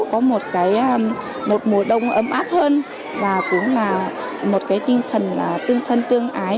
có một cái một mùa đông ấm áp hơn và cũng là một cái tinh thần tương thân tương ái